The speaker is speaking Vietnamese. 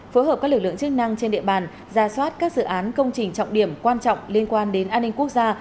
phối hợp các lực lượng chức năng trên địa bàn ra soát các dự án công trình trọng điểm quan trọng liên quan đến an ninh quốc gia